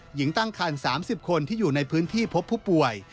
หญิงตั้งคัน๓๐คนที่อยู่ในพื้นที่พบผู้ป่วย